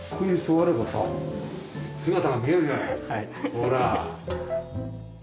ほら。